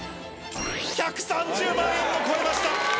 １３０万円も超えました。